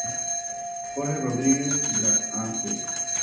Jorge Rodríguez y la Av.